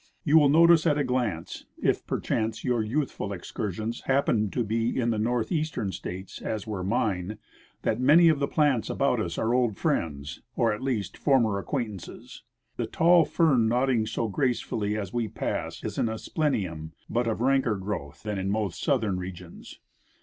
You Avill notice at a glance, if per chance your youthful excursions happened to be in the north eastern states, as Avere mine, that many of the plants about us are old friends, or at least former acquaintances. The tall fern nodding so gracefully as we pass is an Asplenium^ but of ranker growth than in most southern regions.